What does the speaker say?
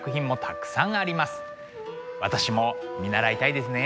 私も見習いたいですね。